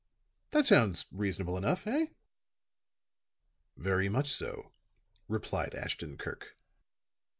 "That sounds reasonable enough, eh?" "Very much so," replied Ashton Kirk.